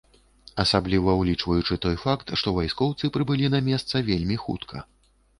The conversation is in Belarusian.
Асабліва ўлічваючы той факт, што вайскоўцы прыбылі на месца вельмі хутка.